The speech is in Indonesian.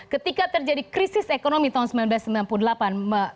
ketika terjadi krisis ekonomi tahun seribu sembilan ratus sembilan puluh delapan